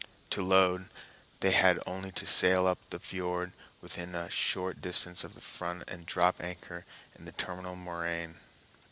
To load, they had only to sail up the fiord within a short distance of the front and drop anchor in the terminal moraine.